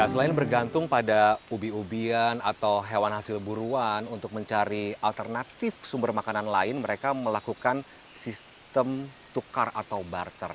selain bergantung pada ubi ubian atau hewan hasil buruan untuk mencari alternatif sumber makanan lain mereka melakukan sistem tukar atau barter